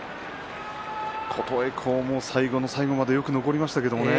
琴恵光も最後の最後までよく残りましたけれどもね。